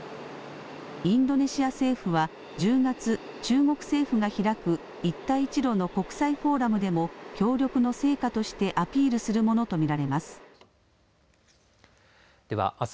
インドネシア政府は１０月中国政府が開く一帯一路の国際フォーラムでも協力の成果としてアピールするものと見られます。